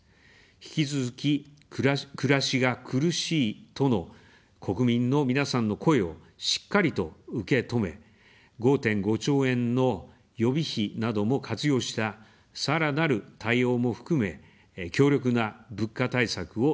引き続き、暮らしが苦しいとの国民の皆さんの声をしっかりと受け止め、５．５兆円の予備費なども活用した、さらなる対応も含め、強力な物価対策を進めていきます。